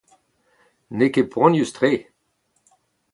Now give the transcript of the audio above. N'eo ket poanius-tre.